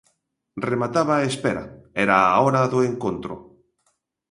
Remataba a espera, era a hora do encontro.